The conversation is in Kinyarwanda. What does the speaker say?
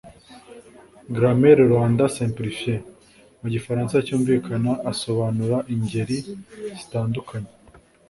grammaire rwanda simplifiée. mu gifaransa cyumvikana asobanura ingeri zitandukanye